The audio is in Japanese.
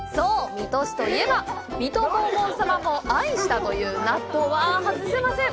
水戸市といえば水戸黄門さまも愛したという納豆は外せません！